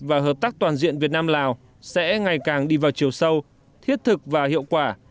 và hợp tác toàn diện việt nam lào sẽ ngày càng đi vào chiều sâu thiết thực và hiệu quả